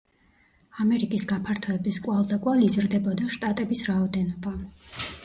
ამერიკის გაფართოების კვალდაკვალ იზრდებოდა შტატების რაოდენობა.